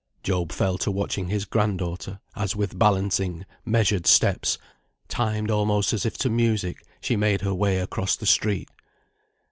Job fell to watching his grand daughter, as with balancing, measured steps, timed almost as if to music, she made her way across the street.